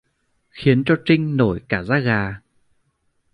Khiến cho Trinh nổi cả da gà